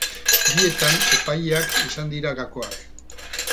Bietan, epaileak izan dira gakoak.